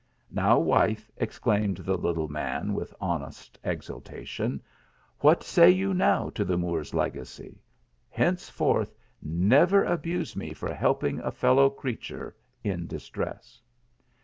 "Now, wife 1 " exclaimed the little man with honest exulta tion, what say you now to the Moor s legacy? Henceforth never abuse r.ie pr helping a fellovi creature in distress."